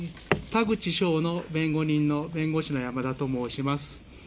田口翔の弁護人の、弁護士のやまだと申します。